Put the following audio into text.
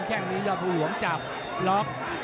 แค่งนี้ยอดภูหลวงจับล็อก